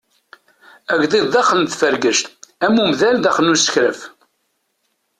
Agḍiḍ daxel n tfergact am umdan daxel n usekraf.